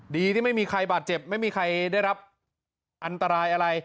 ดีที่ไม่มีใครบาดเจ็บไม่มีใครได้รับอันตรายอะไร